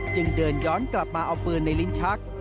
จึงเดินย้อนกลับมาเอาปืนในลิ้นชัก